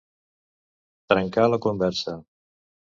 Trencar la conversa.